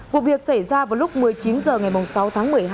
vụ việc xảy ra vào lúc một mươi chín h ngày sáu tháng một mươi hai